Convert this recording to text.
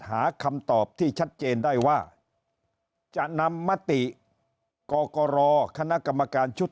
หาคำตอบที่ชัดเจนได้ว่าจะนำมติกกรคณะกรรมการชุด